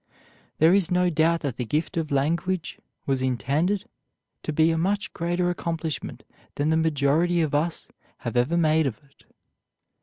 There is no doubt that the gift of language was intended to be a much greater accomplishment than the majority of us have ever made of it.